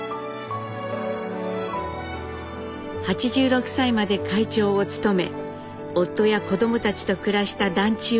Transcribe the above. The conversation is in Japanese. ８６歳まで会長を務め夫や子どもたちと暮らした団地を守り続けました。